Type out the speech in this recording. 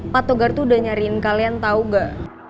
pak togar tuh udah nyariin kalian tahu gak